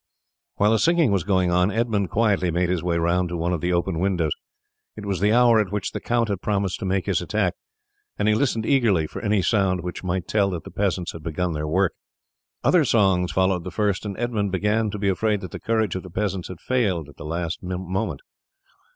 While the singing was going on Edmund quietly made his way round to one of the open windows. It was the hour at which the count had promised to make his attack, and he listened eagerly for any sound which might tell that the peasants had begun their work. Other songs followed the first, and Edmund began to be afraid that the courage of the peasants had failed at the last moment.